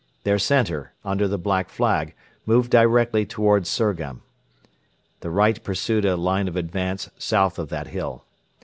Their centre, under the Black Flag, moved directly towards Surgham. The right pursued a line of advance south of that hill.